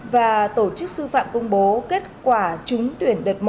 và tổ chức sư phạm công bố kết quả trúng tuyển đợt một